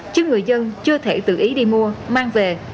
chứ người dân chưa thể tự ý đi mua mang về